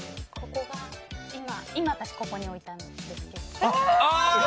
今、私ここに置いたんですけど。